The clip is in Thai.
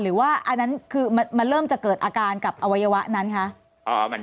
อันนั้นคือมันเริ่มจะเกิดอาการกับอวัยวะนั้นคะ